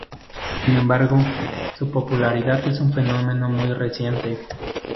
Sin embargo, su popularidad es un fenómeno muy reciente.